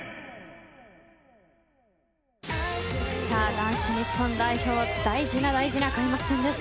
男子日本代表の大事な大事な開幕戦です。